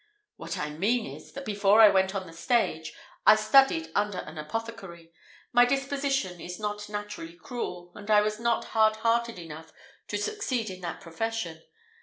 "What I mean is, that before I went on the stage, I studied under an apothecary. My disposition is not naturally cruel, and I was not hard hearted enough to succeed in that profession.